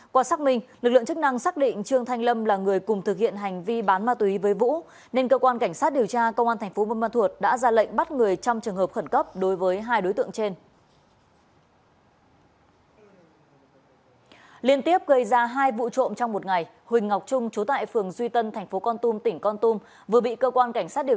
qua xác minh lực lượng chức năng xác định trương thanh lâm là người cùng thực hiện hành vi bán ma túy với vũ nên cơ quan cảnh sát điều tra công an thành phố mân ban thuột đã ra lệnh bắt người trong trường hợp khẩn cấp đối với hai đối tượng trên